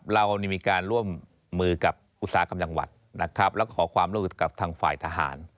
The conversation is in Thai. เรามีการร่วมมือกับอุตสาหกกำลังวัดและขอความรู้กับทางฝ่ายทหาร